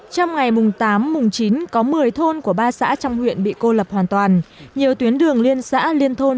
trong ngày mùng tám chín có một mươi thôn của ba xã trong huyện bị cô lập hoàn toàn nhiều tuyến đường liên xã liên thôn